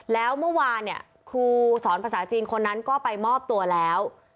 แล้วเมื่อวานเนี่ยครูสอนภาษาจีนคนนั้นก็ไปมอบตัวแล้ว